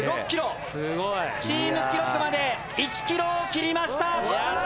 チーム記録まで１ｋｍを切りました。